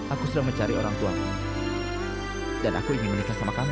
aku sudah mencari orang tuamu dan aku ingin menikah sama kamu